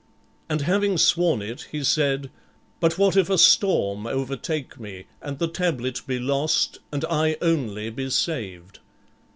And having sworn it, he said, "But what if a storm overtake me and the tablet be lost and I only be saved?"